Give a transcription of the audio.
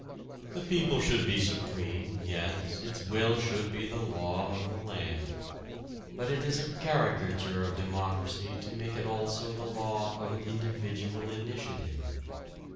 The people should be supreme, yes, its will should be the law of the land. But it is a caricature of democracy to make it also the law of individual initiative.